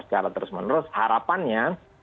secara terus menerus harapannya